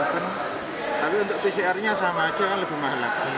tapi untuk pcr nya sama aja kan lebih mahal